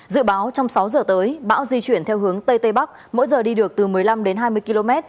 dự báo trong sáu giờ tới bão di chuyển theo hướng tây tây bắc mỗi giờ đi được từ một mươi năm đến hai mươi km